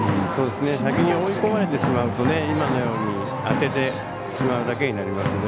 先に追い込まれてしまうと当ててしまうだけになりますので。